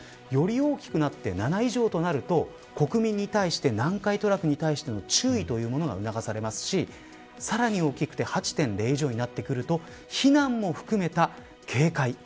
より大きくなって７以上となると国民に対して南海トラフに対する注意が促されますしさらに大きくて８．０以上になってくると避難も含めた警戒。